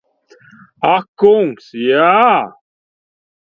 Ak kungs, jā!